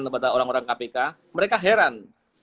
kepada orang orang kpk mereka heran